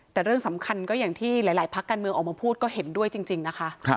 แต่เรื่องสำคัญก็อย่างที่หลายพักการเมืองออกมาพูดก็เห็นด้วยจริงนะคะ